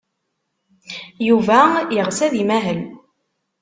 Yuba yeɣs ad imahel.